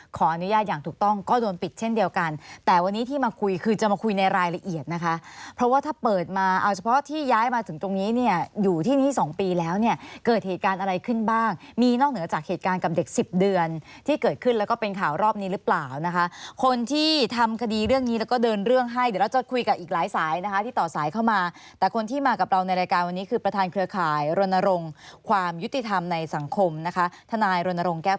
เกิดเหตุการณ์อะไรขึ้นบ้างมีนอกเหนือจากเหตุการณ์กับเด็กสิบเดือนที่เกิดขึ้นแล้วก็เป็นข่าวรอบนี้หรือเปล่านะคะคนที่ทำคดีเรื่องนี้แล้วก็เดินเรื่องให้เดี๋ยวเราจะคุยกับอีกหลายสายนะคะที่ต่อสายเข้ามาแต่คนที่มากับเราในรายการวันนี้คือประธานเครือข่ายรณรงค์ความยุติธรรมในสังคมนะคะทนายรณรงค์